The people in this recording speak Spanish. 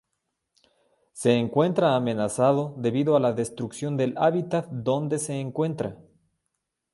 Se encuentra amenazado debido a la destrucción del hábitat donde se encuentra.